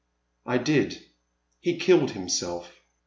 '* I did. He killed himself."